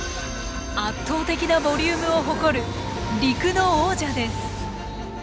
圧倒的なボリュームを誇る陸の王者です。